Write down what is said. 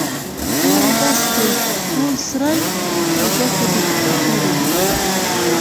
نور يې بس کړئ؛ ډول سری او ګوته دې په کې کړې ده.